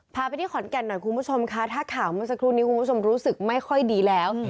พาไปที่ขอนแก่นหน่อยคุณผู้ชมค่ะถ้าข่าวเมื่อสักครู่นี้คุณผู้ชมรู้สึกไม่ค่อยดีแล้ว